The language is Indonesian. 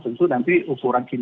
tentu nanti ukuran kini